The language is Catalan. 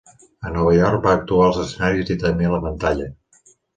A Nova York, va actuar als escenaris i també a la pantalla.